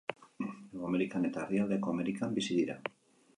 Hego Amerikan eta Erdialdeko Amerikan bizi dira.